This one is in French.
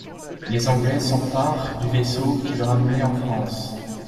Les Anglais s'emparent du vaisseau qui le ramenait en France.